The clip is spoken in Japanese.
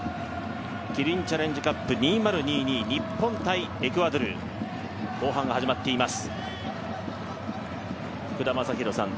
キリンチャレンジカップ２０２２、日本×エクアドル、後半が始まっています。